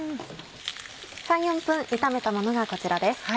３４分炒めたものがこちらです。